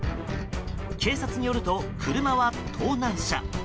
警察によると、車は盗難車。